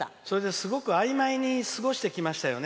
すごくあいまいに過ごしてきましたよね。